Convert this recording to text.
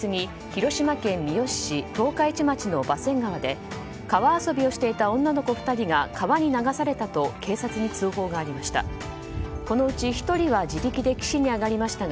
広島県三次市十日市町の馬洗川で川遊びをしていた女の子２人が川に流されたと警察に通報がありました。